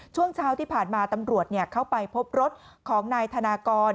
ช่วงเช้าที่ผ่านมาตำรวจเข้าไปพบรถของนายธนากร